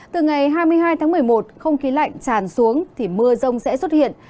từ ngày hai mươi hai tháng một mươi một không khí lạnh tràn xuống thì mưa rông sẽ xuất hiện